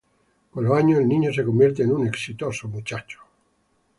Con los años, el niño se convierte en un exitoso muchacho.